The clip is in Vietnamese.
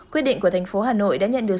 quyết định của thành phố hà nội đã nhận được